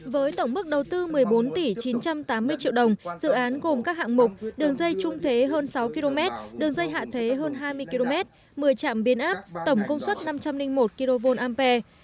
với tổng mức đầu tư một mươi bốn tỷ chín trăm tám mươi triệu đồng dự án gồm các hạng mục đường dây trung thế hơn sáu km đường dây hạ thế hơn hai mươi km một mươi trạm biến áp tổng công suất năm trăm linh một kva